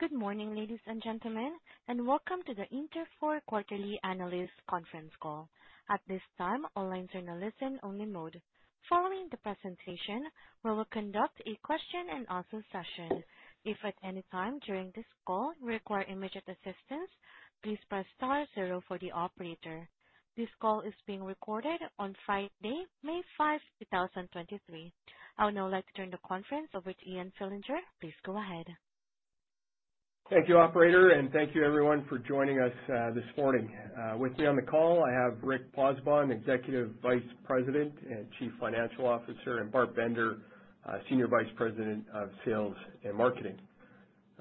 Good morning, ladies and gentlemen, and welcome to the Interfor quarterly analyst conference call. At this time, all lines are in a listen-only mode. Following the presentation, we will conduct a question-and-answer session. If at any time during this call you require immediate assistance, please press star zero for the operator. This call is being recorded on Friday, May 5th, 2023. I would now like to turn the conference over to Ian Fillinger. Please go ahead. Thank you, operator, and thank you everyone for joining us this morning. With me on the call I have Rick Pozzebon, Executive Vice President and Chief Financial Officer, and Bart Bender, Senior Vice President of Sales and Marketing.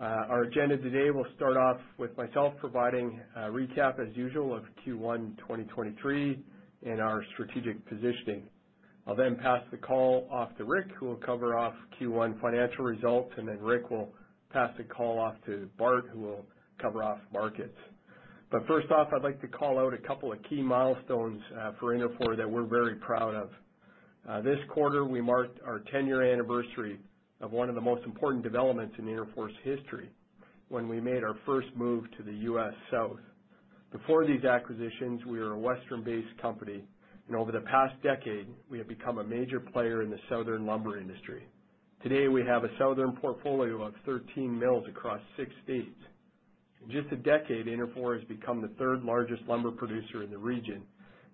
Our agenda today will start off with myself providing a recap as usual of Q1 2023 and our strategic positioning. I'll then pass the call off to Rick, who will cover off Q1 financial results, and then Rick will pass the call off to Bart, who will cover off markets. First off, I'd like to call out a couple of key milestones for Interfor that we're very proud of. This quarter we marked our 10-year anniversary of one of the most important developments in Interfor's history when we made our first move to the U.S. South. Before these acquisitions, we were a Western-based company. Over the past decade, we have become a major player in the Southern lumber industry. Today, we have a Southern portfolio of 13 mills across six states. In just a decade, Interfor has become the third-largest lumber producer in the region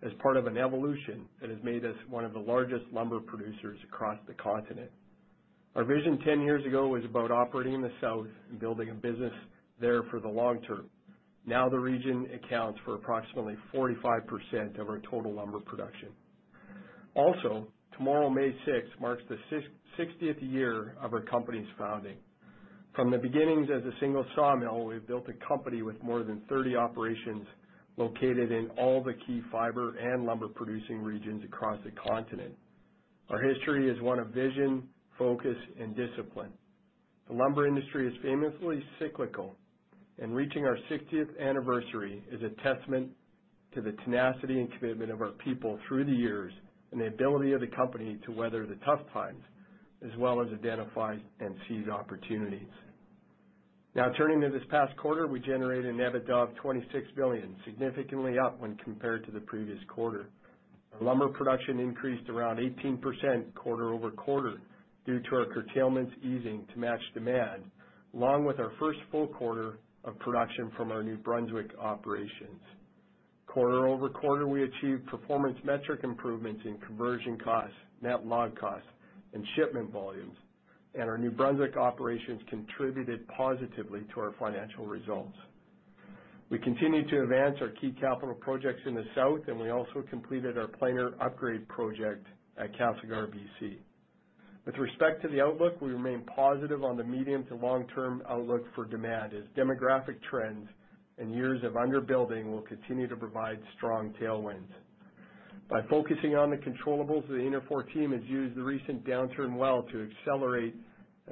as part of an evolution that has made us one of the largest lumber producers across the continent. Our vision 10 years ago was about operating in the South and building a business there for the long term. Now the region accounts for approximately 45% of our total lumber production. Tomorrow, May 6th, marks the 60th year of our company's founding. From the beginnings as a single sawmill, we've built a company with more than 30 operations located in all the key fiber and lumber-producing regions across the continent. Our history is one of vision, focus, and discipline. Reaching our 60th anniversary is a testament to the tenacity and commitment of our people through the years and the ability of the company to weather the tough times as well as identify and seize opportunities. Now turning to this past quarter, we generated an EBITDA of $26 million, significantly up when compared to the previous quarter. Our lumber production increased around 18% quarter-over-quarter due to our curtailments easing to match demand, along with our first full quarter of production from our New Brunswick operations. Quarter-over-quarter, we achieved performance metric improvements in conversion costs, net log costs, and shipment volumes. Our New Brunswick operations contributed positively to our financial results. We continued to advance our key capital projects in the South. We also completed our planer upgrade project at Cassiar, BC. With respect to the outlook, we remain positive on the medium to long-term outlook for demand as demographic trends and years of under-building will continue to provide strong tailwinds. By focusing on the controllables, the Interfor team has used the recent downturn well to accelerate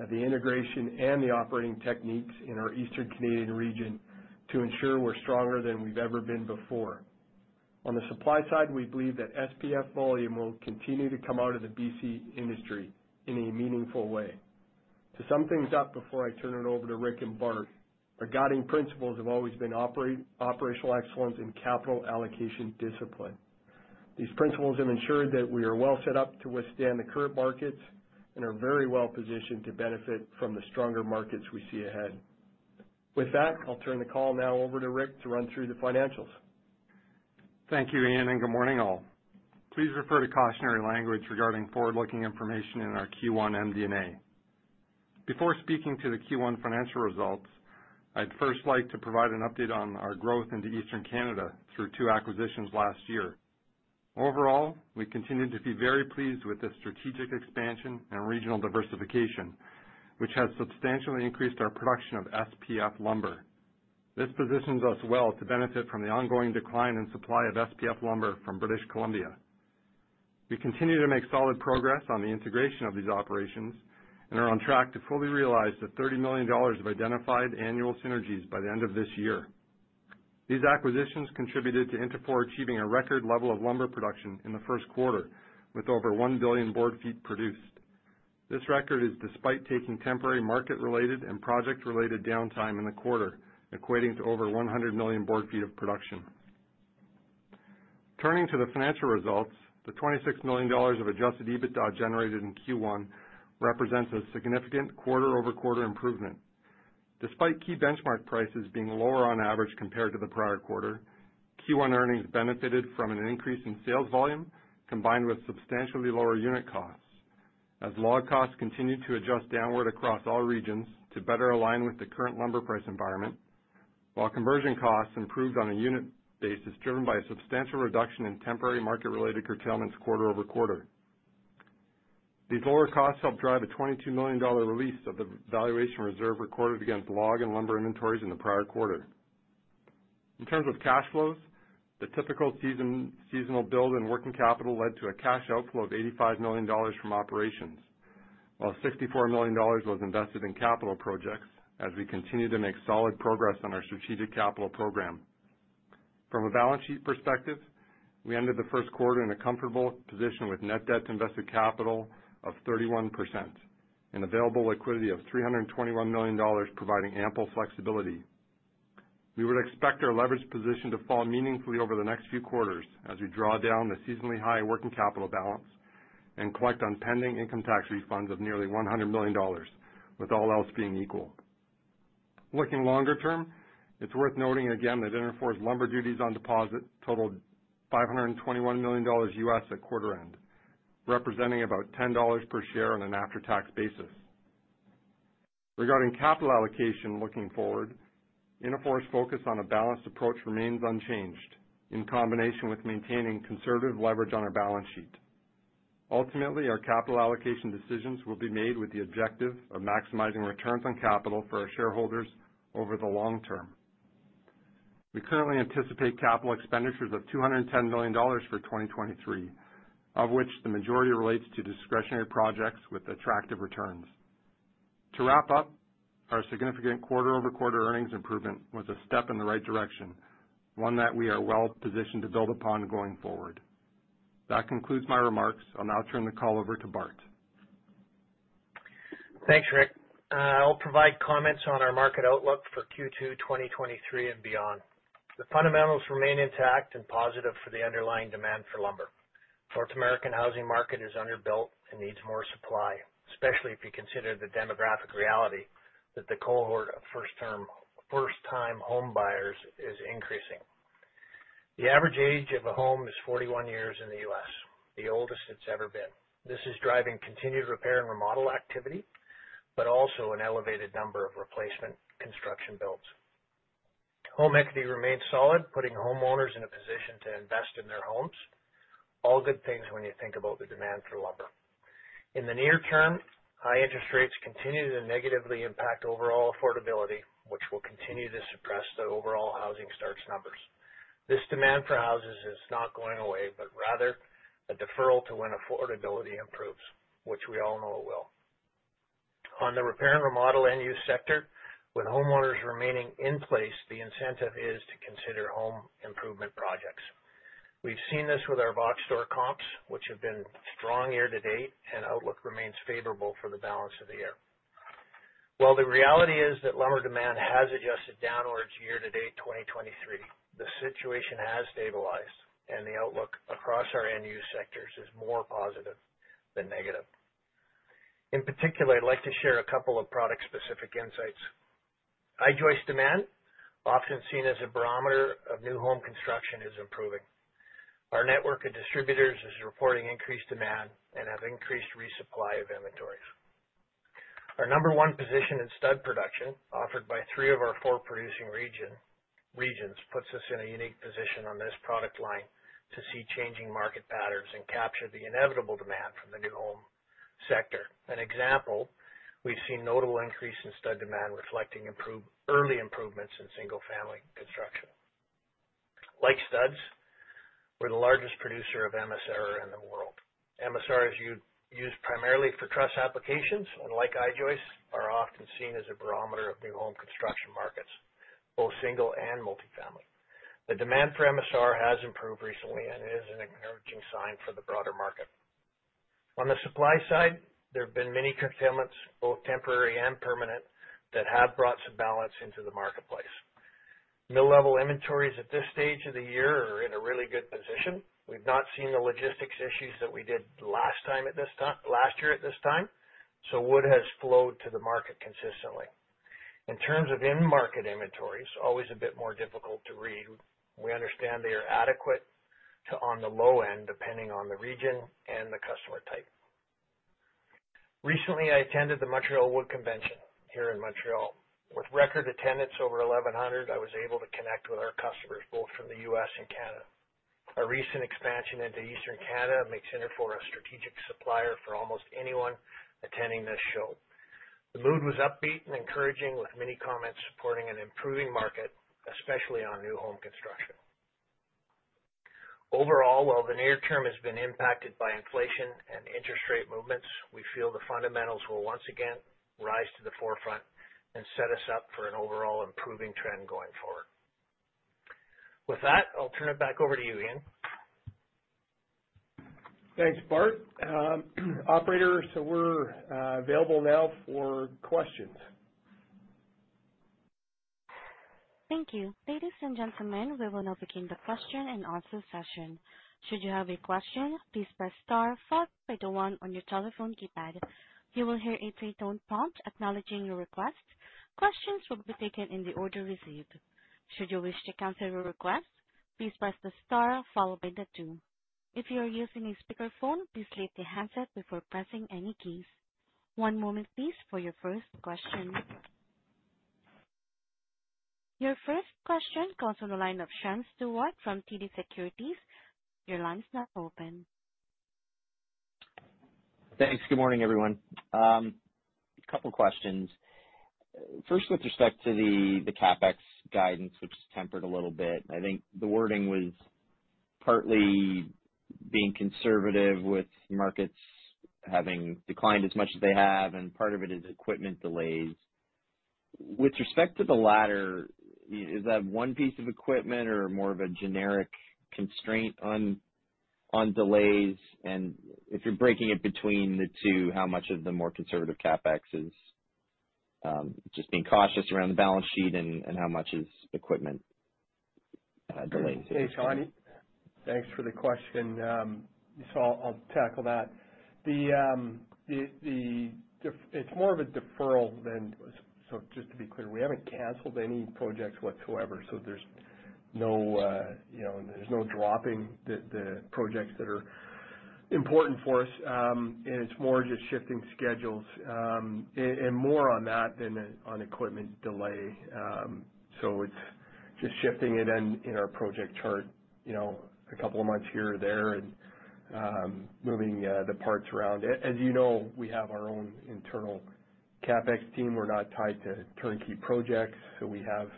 the integration and the operating techniques in our Eastern Canadian region to ensure we're stronger than we've ever been before. On the supply side, we believe that SPF volume will continue to come out of the BC industry in a meaningful way. To sum things up before I turn it over to Rick and Bart, our guiding principles have always been operational excellence and capital allocation discipline. These principles have ensured that we are well set up to withstand the current markets and are very well-positioned to benefit from the stronger markets we see ahead. With that, I'll turn the call now over to Rick to run through the financials. Thank you, Ian. Good morning, all. Please refer to cautionary language regarding forward-looking information in our Q1 MD&A. Before speaking to the Q1 financial results, I'd first like to provide an update on our growth into Eastern Canada through two acquisitions last year. Overall, we continue to be very pleased with the strategic expansion and regional diversification, which has substantially increased our production of SPF lumber. This positions us well to benefit from the ongoing decline in supply of SPF lumber from British Columbia. We continue to make solid progress on the integration of these operations and are on track to fully realize the $30 million of identified annual synergies by the end of this year. These acquisitions contributed to Interfor achieving a record level of lumber production in the first quarter with over 1 billion board feet produced. This record is despite taking temporary market-related and project-related downtime in the quarter, equating to over 100 million board feet of production. Turning to the financial results, the $26 million of adjusted EBITDA generated in Q1 represents a significant quarter-over-quarter improvement. Despite key benchmark prices being lower on average compared to the prior quarter, Q1 earnings benefited from an increase in sales volume combined with substantially lower unit costs as log costs continued to adjust downward across all regions to better align with the current lumber price environment, while conversion costs improved on a unit basis driven by a substantial reduction in temporary market-related curtailments quarter-over-quarter. These lower costs helped drive a $22 million release of the valuation reserve recorded against log and lumber inventories in the prior quarter. In terms of cash flows, the typical season, seasonal build and working capital led to a cash outflow of $85 million from operations, while $64 million was invested in capital projects as we continue to make solid progress on our strategic capital program. From a balance sheet perspective, we ended the first quarter in a comfortable position with net debt to invested capital of 31% and available liquidity of $321 million providing ample flexibility. We would expect our leverage position to fall meaningfully over the next few quarters as we draw down the seasonally high working capital balance and collect on pending income tax refunds of nearly $100 million, with all else being equal. Looking longer term, it's worth noting again that Interfor's lumber duties on deposit totaled $521 million at quarter end, representing about $10 per share on an after-tax basis. Regarding capital allocation looking forward, Interfor's focus on a balanced approach remains unchanged in combination with maintaining conservative leverage on our balance sheet. Ultimately, our capital allocation decisions will be made with the objective of maximizing returns on capital for our shareholders over the long term. We currently anticipate capital expenditures of $210 million for 2023, of which the majority relates to discretionary projects with attractive returns. To wrap up, our significant quarter-over-quarter earnings improvement was a step in the right direction, one that we are well positioned to build upon going forward. That concludes my remarks. I'll now turn the call over to Bart. Thanks, Rick. I'll provide comments on our market outlook for Q2 2023 and beyond. The fundamentals remain intact and positive for the underlying demand for lumber. North American housing market is underbuilt and needs more supply, especially if you consider the demographic reality that the cohort of first-time homebuyers is increasing. The average age of a home is 41 years in the U.S., the oldest it's ever been. This is driving continued repair and remodel activity, but also an elevated number of replacement construction builds. Home equity remains solid, putting homeowners in a position to invest in their homes. All good things when you think about the demand for lumber. In the near term, high interest rates continue to negatively impact overall affordability, which will continue to suppress the overall housing starts numbers. This demand for houses is not going away, but rather a deferral to when affordability improves, which we all know it will. On the repair and remodel end-use sector, with homeowners remaining in place, the incentive is to consider home improvement projects. We've seen this with our box store comps, which have been strong year to date, and outlook remains favorable for the balance of the year. While the reality is that lumber demand has adjusted downwards year to date 2023, the situation has stabilized, and the outlook across our end-use sectors is more positive than negative. In particular, I'd like to share a couple of product-specific insights. I-joist demand, often seen as a barometer of new home construction, is improving. Our network of distributors is reporting increased demand and have increased resupply of inventories. Our number one position in stud production, offered by three of our four producing regions, puts us in a unique position on this product line to see changing market patterns and capture the inevitable demand from the new home sector. An example, we've seen notable increase in stud demand reflecting early improvements in single-family construction. Like studs, we're the largest producer of MSR in the world. MSR is used primarily for truss applications, and like I-joists, are often seen as a barometer of new home construction markets, both single and multifamily. The demand for MSR has improved recently and is an encouraging sign for the broader market. On the supply side, there have been many curtailments, both temporary and permanent, that have brought some balance into the marketplace. Mill-level inventories at this stage of the year are in a really good position. We've not seen the logistics issues that we did last year at this time. Wood has flowed to the market consistently. In terms of in-market inventories, always a bit more difficult to read. We understand they are adequate to on the low end, depending on the region and the customer type. Recently, I attended the Montréal Wood Convention here in Montreal. With record attendance over 1,100, I was able to connect with our customers, both from the U.S. and Canada. Our recent expansion into Eastern Canada makes Interfor a strategic supplier for almost anyone attending this show. The mood was upbeat and encouraging, with many comments supporting an improving market, especially on new home construction. Overall, while the near term has been impacted by inflation and interest rate movements, we feel the fundamentals will once again rise to the forefront and set us up for an overall improving trend going forward. With that, I'll turn it back over to you, Ian. Thanks, Bart. Operator, we're available now for questions. Thank you. Ladies and gentlemen, we will now begin the question and answer session. Should you have a question, please press star followed by the one on your telephone keypad. You will hear a three-tone prompt acknowledging your request. Questions will be taken in the order received. Should you wish to cancel your request, please press the star followed by the two. If you are using a speakerphone, please lift the handset before pressing any keys. One moment please for your first question. Your first question comes from the line of Sean Steuart from TD Securities. Your line's now open. Thanks. Good morning, everyone. A couple questions. First, with respect to the CapEx guidance, which is tempered a little bit, I think the wording was partly being conservative with markets having declined as much as they have, and part of it is equipment delays. With respect to the latter, is that one piece of equipment or more of a generic constraint on delays? If you're breaking it between the two, how much of the more conservative CapEx is just being cautious around the balance sheet and how much is equipment delays? Hey, Sean. Thanks for the question. I'll tackle that. It's more of a deferral than. Just to be clear, we haven't canceled any projects whatsoever, so there's no, you know, there's no dropping the projects that are important for us. It's more just shifting schedules, and more on that than on equipment delay. It's just shifting it in our project chart, you know, a couple of months here or there and moving the parts around. As you know, we have our own internal CapEx team. We're not tied to turnkey projects, so we have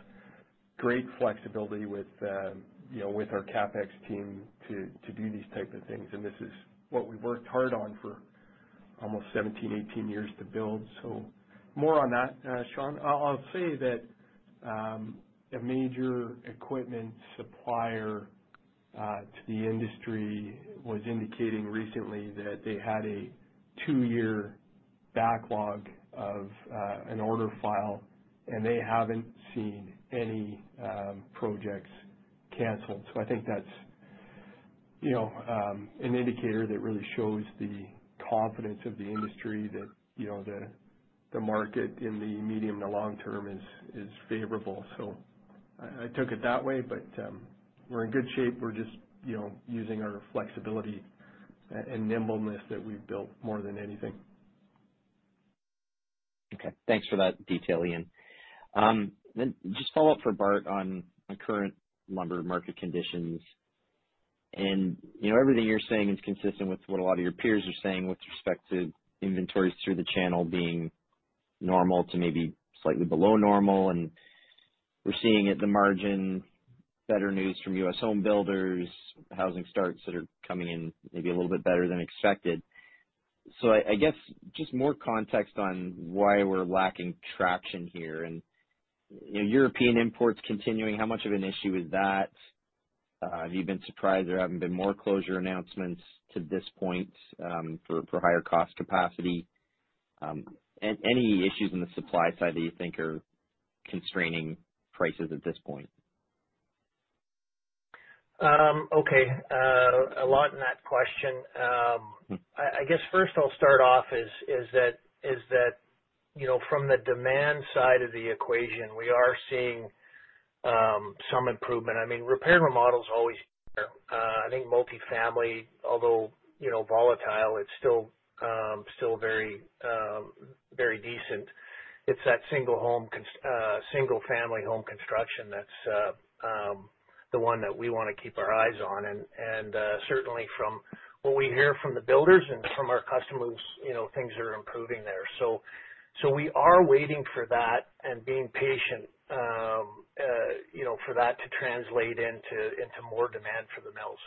great flexibility with, you know, with our CapEx team to do these type of things. This is what we've worked hard on for almost 17, 18 years to build. More on that, Sean, I'll say that a major equipment supplier to the industry was indicating recently that they had a two-year backlog of an order file, and they haven't seen any projects canceled. I think that's, you know, an indicator that really shows the confidence of the industry that, you know, the market in the medium to long term is favorable. I took it that way, but we're in good shape. We're just, you know, using our flexibility and nimbleness that we've built more than anything. Thanks for that detail, Ian. Just follow up for Bart on current lumber market conditions. You know, everything you're saying is consistent with what a lot of your peers are saying with respect to inventories through the channel being normal to maybe slightly below normal. We're seeing at the margin better news from U.S. home builders, housing starts that are coming in maybe a little bit better than expected. I guess just more context on why we're lacking traction here and, you know, European imports continuing, how much of an issue is that? Have you been surprised there haven't been more closure announcements to this point for higher cost capacity? Any issues on the supply side that you think are constraining prices at this point? Okay, a lot in that question. I guess first I'll start off is that, you know, from the demand side of the equation, we are seeing some improvement. I mean, repair and remodel is always, I think multifamily, although, you know, volatile, it's still very, very decent. It's that single-family home construction that's the one that we wanna keep our eyes on. Certainly from what we hear from the builders and from our customers, you know, things are improving there. We are waiting for that and being patient, you know, for that to translate into more demand for the mills.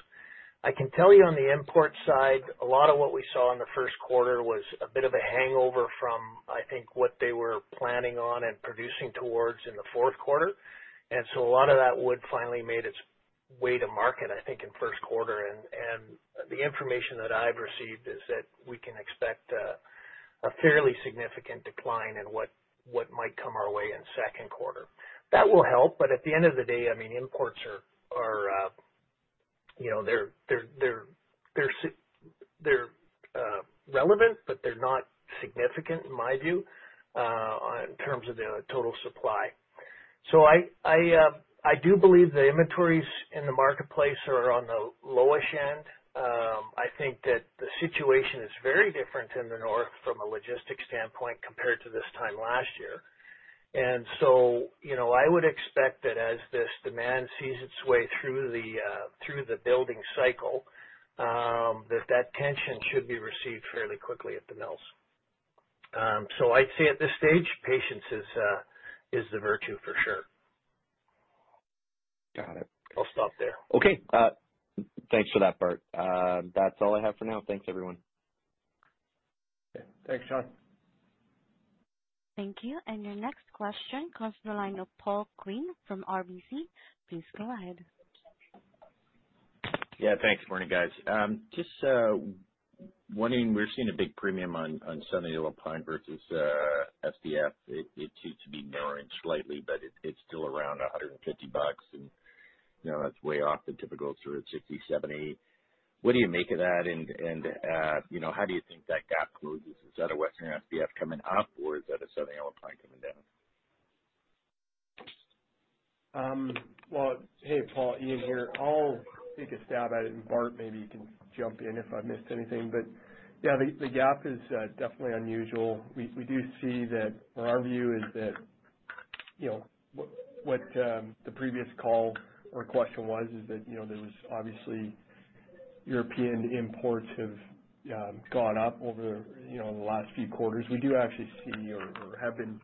I can tell you on the import side, a lot of what we saw in the 1st quarter was a bit of a hangover from, I think, what they were planning on and producing towards in the 4th quarter. A lot of that wood finally made its way to market, I think, in 1st quarter, and the information that I've received is that we can expect a fairly significant decline in what might come our way in 2nd quarter. That will help, but at the end of the day, I mean, imports are, you know, they're relevant, but they're not significant in my view, on, in terms of the total supply. I do believe the inventories in the marketplace are on the lowest end. I think that the situation is very different in the north from a logistics standpoint compared to this time last year. you know, I would expect that as this demand sees its way through the through the building cycle, that that tension should be received fairly quickly at the mills. I'd say at this stage, patience is is the virtue for sure. Got it. I'll stop there. Okay. thanks for that, Bart. that's all I have for now. Thanks, everyone. Okay. Thanks, Sean. Thank you. Your next question comes from the line of Paul Quinn from RBC. Please go ahead. Yeah, thanks. Morning, guys. Just wondering, we're seeing a big premium on Southern Yellow Pine versus SPF. It seems to be narrowing slightly, but it's still around $150 and, you know, that's way off the typical sort of $60, $70. What do you make of that? You know, how do you think that gap closes? Is that a Western SPF coming up or is that a Southern Yellow Pine coming down? Well, hey, Paul. Ian here. I'll take a stab at it and Bart maybe you can jump in if I missed anything. Yeah, the gap is definitely unusual. We do see that or our view is that, you know, what the previous call or question was, is that, you know, there was obviously European imports have gone up over, you know, the last few quarters. We do actually see or have been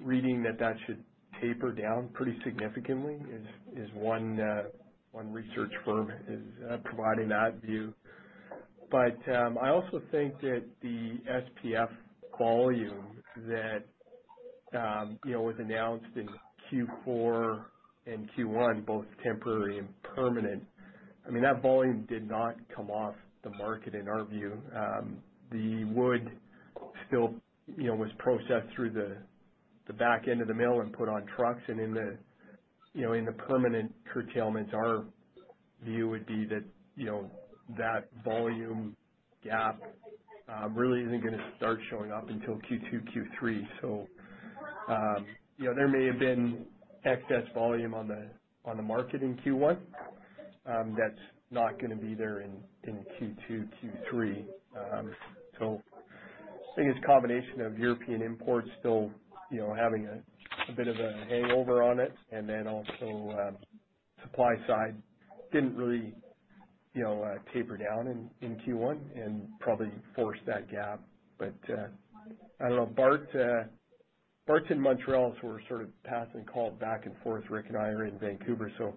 reading that that should taper down pretty significantly is one research firm is providing that view. I also think that the SPF volume that, you know, was announced in Q4 and Q1, both temporary and permanent, I mean, that volume did not come off the market in our view. The wood still, you know, was processed through the back end of the mill and put on trucks. In the, you know, in the permanent curtailments, our view would be that, you know, that volume gap really isn't gonna start showing up until Q2, Q3. You know, there may have been excess volume on the market in Q1 that's not gonna be there in Q2, Q3. I think it's a combination of European imports still, you know, having a bit of a hangover on it, and then also supply side didn't really, you know, taper down in Q1 and probably forced that gap. I don't know, Bart and Montréal were sort of passing calls back and forth. Rick and I are in Vancouver, so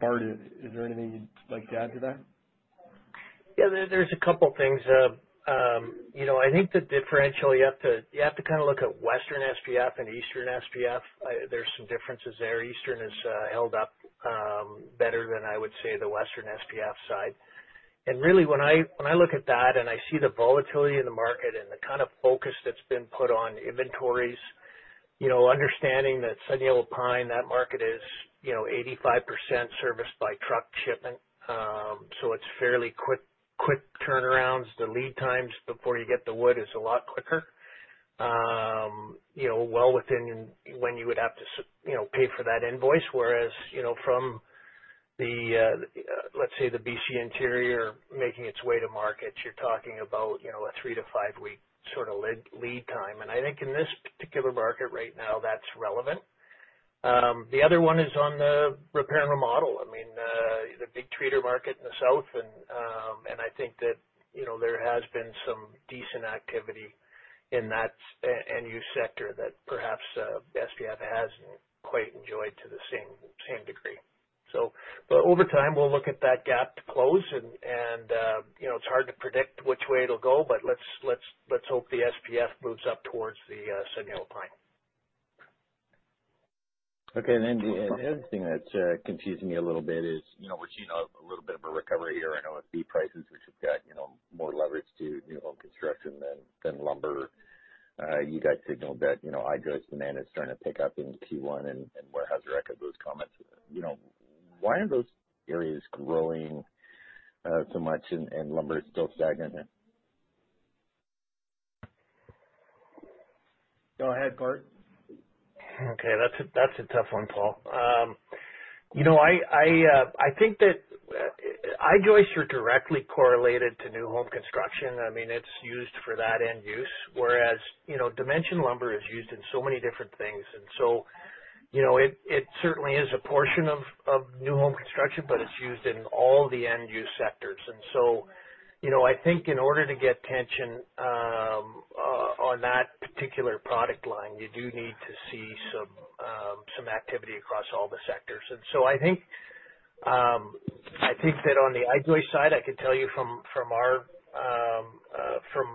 Bart, is there anything you'd like to add to that? There's a couple things. You know, I think the differential you have to kind of look at Western SPF and Eastern SPF. There's some differences there. Eastern has held up better than I would say the Western SPF side. Really when I, when I look at that and I see the volatility in the market and the kind of focus that's been put on inventories, you know, understanding that Ponderosa Pine, that market is, you know, 85% serviced by truck shipment. It's fairly quick turnarounds. The lead times before you get the wood is a lot quicker, you know, well within when you would have to pay for that invoice. Whereas, you know, from the, let's say the BC Interior making its way to market, you're talking about, you know, a 3-5 week sort of lead time. I think in this particular market right now, that's relevant. The other one is on the repair and remodel. I mean, the big trader market in the south. I think that, you know, there has been some decent activity in that end-use sector that perhaps, SPF hasn't quite enjoyed to the same degree. But over time, we'll look at that gap to close and, you know, it's hard to predict which way it'll go, but let's hope the SPF moves up towards the Ponderosa Pine. Okay. The other thing that's confusing me a little bit is, you know, we're seeing a little bit of a recovery here in OSB prices, which have got, you know, more leverage to new home construction than lumber. You guys signaled that, you know, I-joist demand is starting to pick up in Q1, and warehouse records those comments. Why are those areas growing so much and lumber is still stagnant? Go ahead, Bart. Okay. That's a, that's a tough one, Paul. You know, I think that I-joists are directly correlated to new home construction. I mean, it's used for that end use, whereas, you know, dimension lumber is used in so many different things. You know, it certainly is a portion of new home construction, but it's used in all the end-use sectors. I think I think that on the I-joist side, I can tell you from our, from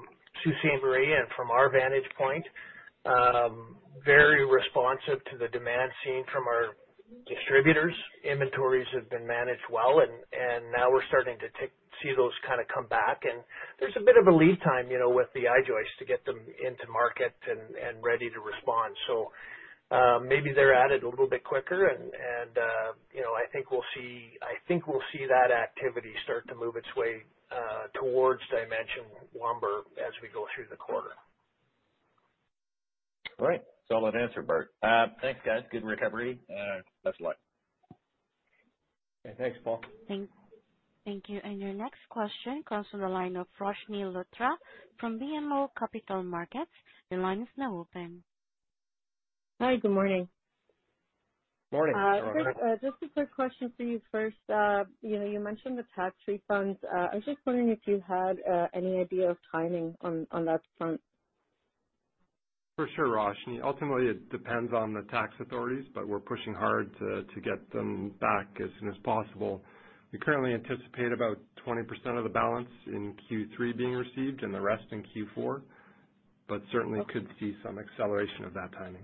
Soucy and Berea and from our vantage point, very responsive to the demand seen from our distributors. Inventories have been managed well and now we're starting to see those kinda come back. There's a bit of a lead time, you know, with the I-joists to get them into market and ready to respond. Maybe they're at it a little bit quicker and, you know, I think we'll see that activity start to move its way towards dimension lumber as we go through the quarter. All right. Solid answer, Bart. Thanks, guys. Good recovery. Best of luck. Okay. Thanks, Paul. Thank you. Your next question comes from the line of Roshni Athaide from BMO Capital Markets. Your line is now open. Hi. Good morning. Morning. Quick, just a quick question for you first. You know, you mentioned the tax refunds. I was just wondering if you had any idea of timing on that front. For sure, Roshni. Ultimately, it depends on the tax authorities, but we're pushing hard to get them back as soon as possible. We currently anticipate about 20% of the balance in Q3 being received and the rest in Q4, but certainly could see some acceleration of that timing.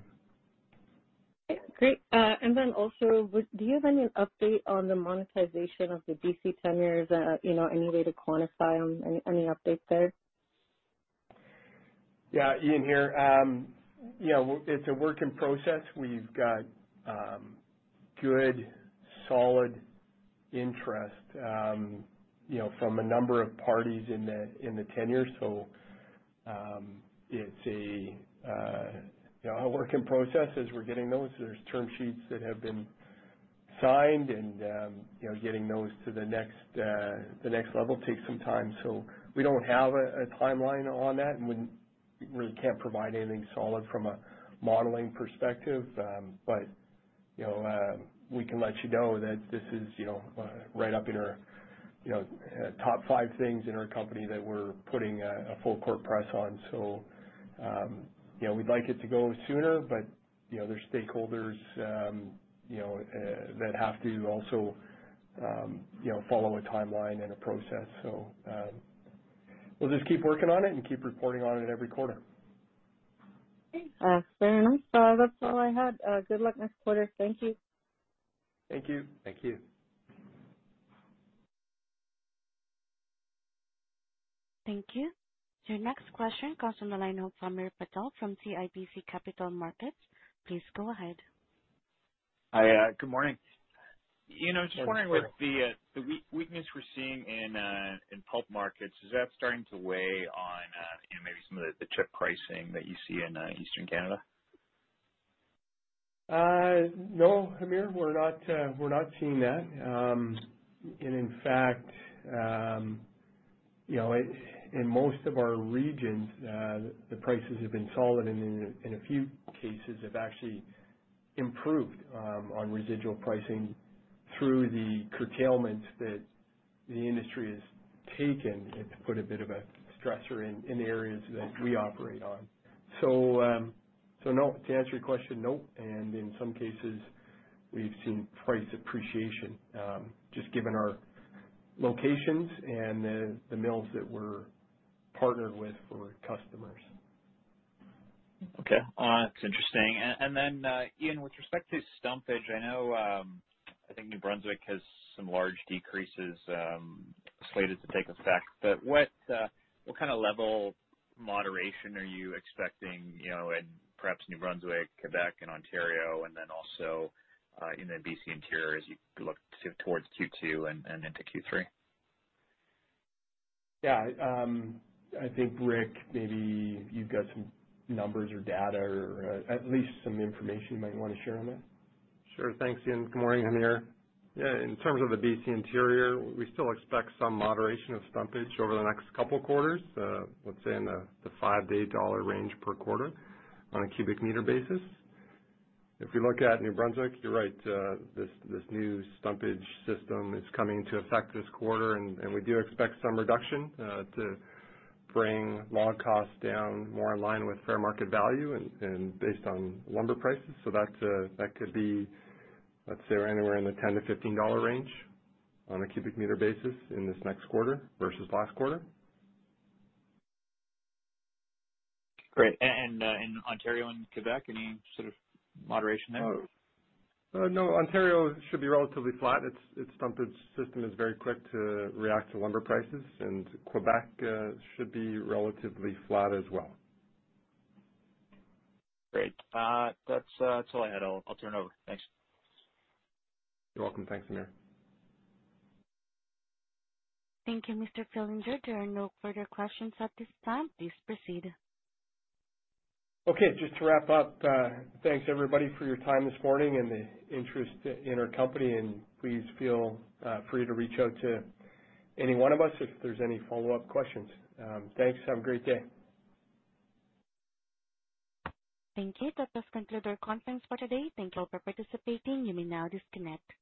Okay, great. Then also, do you have any update on the monetization of the BC tenures? You know, any way to quantify them? Any updates there? Yeah. Ian here. You know, it's a work in process. We've got good solid interest, you know, from a number of parties in the tenure. It's a, you know, a work in process as we're getting those. There's term sheets that have been signed and, you know, getting those to the next level takes some time. We don't have a timeline on that, and we really can't provide anything solid from a modeling perspective. You know, we can let you know that this is, you know, right up in our, you know, top five things in our company that we're putting a full court press on. You know, we'd like it to go sooner but, you know, there's stakeholders, you know, that have to also, you know, follow a timeline and a process. We'll just keep working on it and keep reporting on it every quarter. Okay. fair enough. That's all I had. good luck next quarter. Thank you. Thank you. Thank you. Thank you. Your next question comes from the line of Hamir Patel from CIBC Capital Markets. Please go ahead. Hi, good morning. Yes, good morning. Ian, I was just wondering with the weakness we're seeing in pulp markets, is that starting to weigh on, you know, maybe some of the chip pricing that you see in Eastern Canada? No, mir, we're not, we're not seeing that. In fact, you know, in most of our regions, the prices have been solid and in a, in a few cases have actually improved, on residual pricing through the curtailments that the industry has taken. It's put a bit of a stressor in areas that we operate on. So no. To answer your question, no. In some cases, we've seen price appreciation, just given our locations and the mills that we're partnered with for customers. That's interesting. Ian, with respect to stumpage, I know I think New Brunswick has some large decreases slated to take effect. What kind of level moderation are you expecting, you know, in perhaps New Brunswick, Quebec and Ontario, and then also in the BC Interior as you look towards Q2 and into Q3? Yeah. I think, Rick, maybe you've got some numbers or data or, at least some information you might wanna share on that. Sure. Thanks, Ian. Good morning, Amir. Yeah, in terms of the BC Interior, we still expect some moderation of stumpage over the next couple quarters, let's say in the CAD 5-day dollar range per quarter on a cubic meter basis. If you look at New Brunswick, you're right. This new stumpage system is coming to effect this quarter, and we do expect some reduction to bring log costs down more in line with fair market value and based on lumber prices. That could be, let's say anywhere in the 10-15 dollar range on a cubic meter basis in this next quarter versus last quarter. Great. In Ontario and Quebec, any sort of moderation there? No, Ontario should be relatively flat. It's stumpage system is very quick to react to lumber prices. Quebec should be relatively flat as well. Great. That's all I had. I'll turn over. Thanks. You're welcome. Thanks, Amir. Thank you, Mr Fillinger. There are no further questions at this time. Please proceed. Okay, just to wrap up, thanks everybody for your time this morning and the interest in our company. Please feel free to reach out to any one of us if there's any follow-up questions. Thanks. Have a great day. Thank you. That does conclude our conference for today. Thank you all for participating. You may now disconnect.